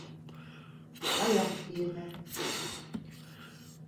Аяҡ кейеме